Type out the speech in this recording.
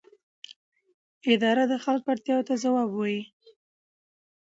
اداره د خلکو اړتیاوو ته ځواب وايي.